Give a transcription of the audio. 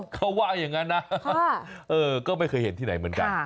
เขาว่าอย่างนั้นนะก็ไม่เคยเห็นที่ไหนเหมือนกัน